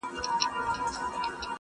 معرفت ته یې حاجت نه وینم چاته-